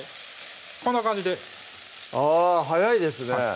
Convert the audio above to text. こんな感じであぁ早いですね